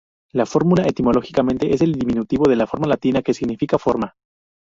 La "fórmula" etimológicamente es el diminutivo de la "forma" latina, que significa forma.